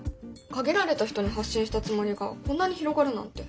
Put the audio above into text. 限られた人に発信したつもりがこんなに広がるなんて。